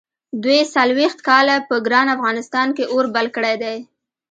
دوی څلوېښت کاله په ګران افغانستان کې اور بل کړی دی.